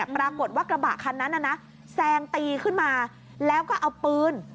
กระบะคันนั้นแซงตีขึ้นมาแล้วก็เอาปืน